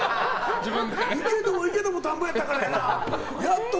行けども行けども田んぼやったからな。